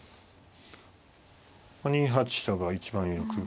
２八飛車が一番有力。